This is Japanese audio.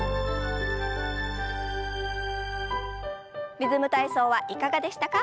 「リズム体操」はいかがでしたか？